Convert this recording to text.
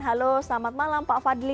halo selamat malam pak fadli